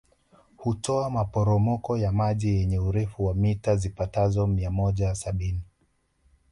Hutoa maporomoko ya maji yenye urefu wa mita zipatazo mia moja sabini